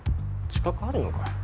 自覚あるのかよ？